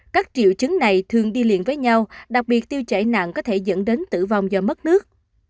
các triệu chứng này thường đi liền với nhau đặc biệt tiêu chảy nặng có thể dẫn đến tử vong do mất nước